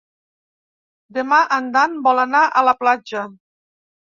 Demà en Dan vol anar a la platja.